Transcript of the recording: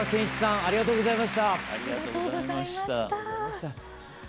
ありがとうございます。